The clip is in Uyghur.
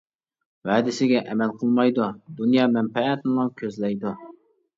ۋەدىسىگە ئەمەل قىلمايدۇ، دۇنيا مەنپەئەتىنىلا كۆزلەيدۇ.